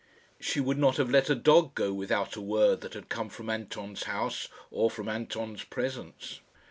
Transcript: She would not have let a dog go without a word that had come from Anton's house or from Anton's presence.